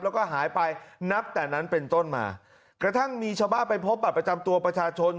แล้วก็หายไปนับแต่นั้นเป็นต้นมากระทั่งมีชาวบ้านไปพบบัตรประจำตัวประชาชน